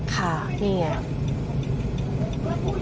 ค่ะนี่อย่างนี้